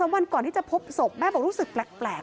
วันก่อนที่จะพบศพแม่บอกรู้สึกแปลก